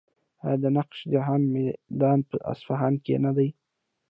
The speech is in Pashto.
آیا د نقش جهان میدان په اصفهان کې نه دی؟